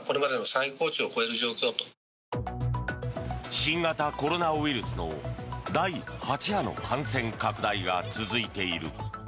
新型コロナウイルスの第８波の感染拡大が続いている。